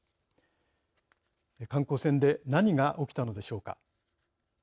観光船で何が起きたのでしょうか。